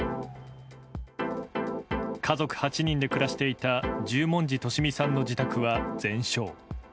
家族８人で暮らしていた十文字利美さんの自宅は全焼。